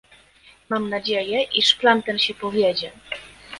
Mam nadzieję, iż plan ten się powiedzie